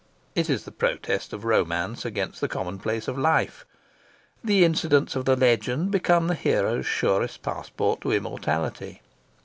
It is the protest of romance against the commonplace of life. The incidents of the legend become the hero's surest passport to immortality.